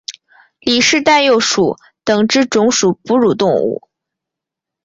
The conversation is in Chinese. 里氏袋鼬属等之数种哺乳动物。